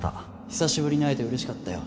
久しぶりに会えてうれしかったよ